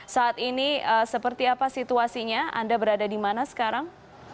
saat ini seperti apa situasinya anda berada di mana sekarang